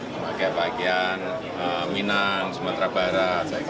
saya pakai bagian minang sumatera barat